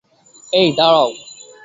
এই, দাড়াও!